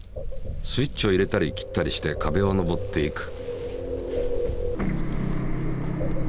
スイッチを入れたり切ったりして壁を登っていく。